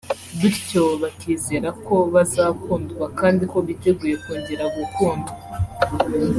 bityo bakizera ko bazakundwa kandi ko biteguye kongera gukundwa